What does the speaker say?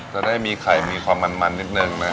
จะได้มีไข่มีความมันนิดนึงนะ